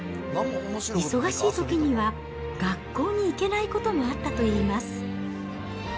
忙しいときには、学校に行けないこともあったといいます。